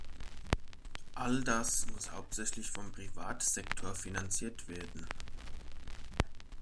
All das muss hauptsächlich vom Privatsektor finanziert werden.